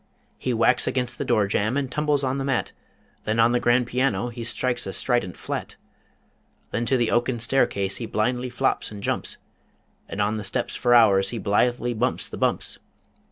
He whacks against the door jamb And tumbles on the mat; Then on the grand piano He strikes a strident flat; Then to the oaken stair case He blindly flops and jumps, And on the steps for hours He blithely bumps the bumps.